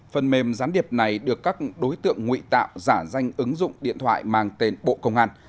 phần mềm gián điệp này được các đối tượng nguy tạo giả danh ứng dụng điện thoại mang tên bộ công an